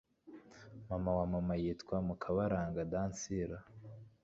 mama wa mama yitwa mukabaranga dansila